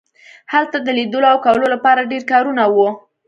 هلته د لیدلو او کولو لپاره ډیر کارونه وو